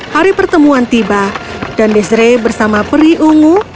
hari pertemuan tiba dan desre bersama peri ungu